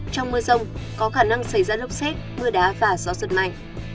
trong mưa rông có khả năng xảy ra lốc xét mưa đá và gió giật mạnh